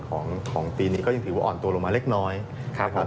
ของปีนี้ก็ยังถือว่าอ่อนตัวลงมาเล็กน้อยนะครับ